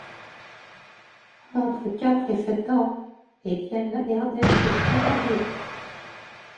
Entre quatre et sept ans, Étienne Laberdesque vit à Paris.